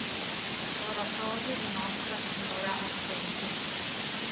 Oratorio di Nostra Signora Assunta